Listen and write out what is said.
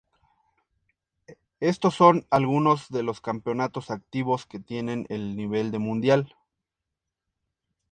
Estos son algunos de los campeonatos activos que tienen el nivel de Mundial.